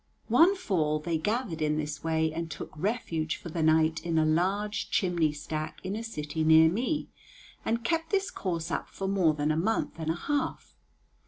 One fall they gathered in this way and took refuge for the night in a large chimney stack in a city near me, and kept this course up for more than a month and a half.